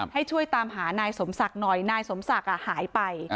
ให้ช่วยตามหานายสมศักดิ์หน่อยนายสมศักดิ์หายไป